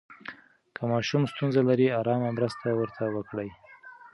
که ماشوم ستونزه لري، آرامه مرسته ورته وکړئ.